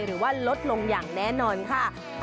หรือว่าลดลงอย่างแน่นอนค่ะ